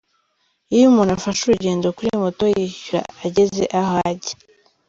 Iyo umuntu afashe urugendo kuri moto yishyura ageze aho ajya.